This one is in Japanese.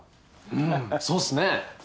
うんそうっすね。